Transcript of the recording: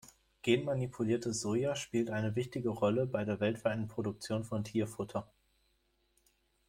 Genmanipuliertes Soja spielt eine wichtige Rolle bei der weltweiten Produktion von Tierfutter.